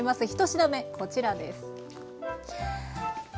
１品目こちらです。